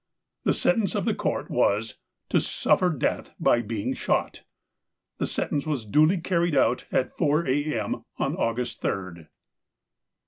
The sentence of the Court was " To suffer death by being shot." The sentence was duly carried out at 4 a.m. on August 3rd.